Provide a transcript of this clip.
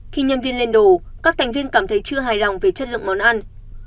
khi nhân viên lên đồ các thành viên cảm thấy chưa hài lòng về chất lượng món ăn